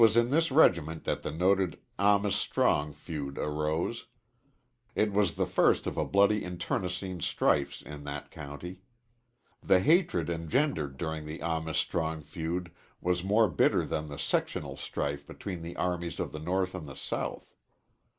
It was in this regiment that the noted Amis Strong feud arose. It was the first of a series of bloody internecine strifes in that county. The hatred engendered during the Amis Strong feud was more bitter than the sectional strife between the armies of the North and of the South.